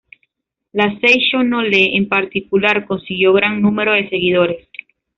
La Seicho-No-Ie en particular, consiguió gran número de seguidores.